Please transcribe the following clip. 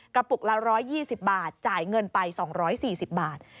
ปุกละ๑๒๐บาทจ่ายเงินไป๒๔๐บาท